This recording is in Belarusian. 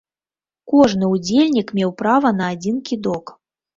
Кожны ўдзельнік меў права на адзін кідок.